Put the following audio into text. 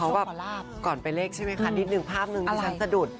เขาแบบก่อนไปเลขใช่ไหมคะนิดนึงภาพนึงดิฉันสะดุด